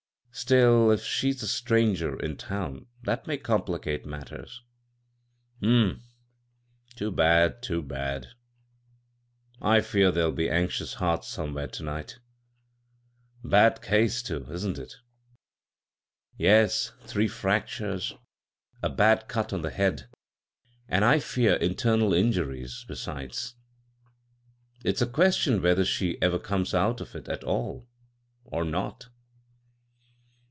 Still, if she's a stranger in town, that may compli cate matters." " Hm m ; too bad, too bad I I fear there'll be anxious hearts somewhere to night Bad case, too — isn't it? " "Yes; three fractures, a bad cut on the 39 bvGoog[c A CROSS CURRENTS head, and, I fear, internal injuries be«des. If s a question whether she ever comes out of it at all, or not."